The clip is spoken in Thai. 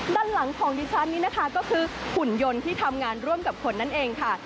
ด้านหลังของดิฉันนี้นะคะก็คือหุ่นยนต์ที่ทำงานร่วมกับคนนั่นเองค่ะ